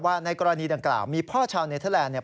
ว่าในกรณีดังกล่าวมีพ่อชาวเนเทอร์แลนด์